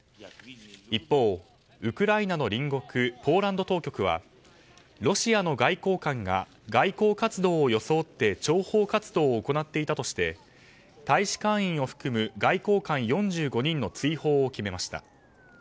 一方、ウクライナの隣国ポーランド当局はロシアの外交官が外交活動を装って諜報活動を行っていたとして大使館員を含む外交官４５人の追放を決めました。